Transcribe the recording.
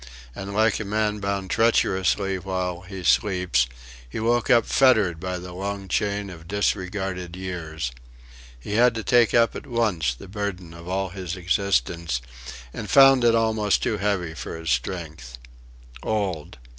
And like a man bound treacherously while he sleeps, he woke up fettered by the long chain of disregarded years. He had to take up at once the burden of all his existence, and found it almost too heavy for his strength. Old!